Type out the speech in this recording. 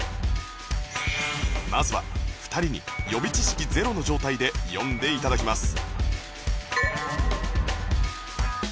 まずは２人に予備知識ゼロの状態で読んで頂きます